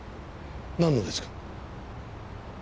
なんのですか？